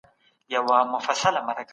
حقوقپوهان چیري د پوهني حق غوښتنه کوي؟